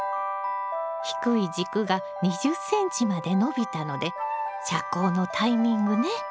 低い軸が２０ｃｍまで伸びたので遮光のタイミングね。